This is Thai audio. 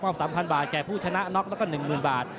๓๐๐บาทแก่ผู้ชนะน็อกแล้วก็๑๐๐๐บาท